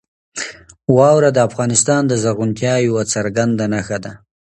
واوره د افغانستان د زرغونتیا یوه څرګنده نښه ده.